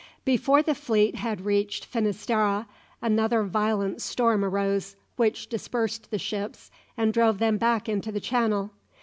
Before the fleet had reached Finisterre another violent storm arose, which dispersed the ships and drove them back into the Channel.